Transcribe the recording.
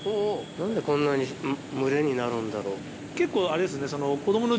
何でこんなに群れになるんだろう？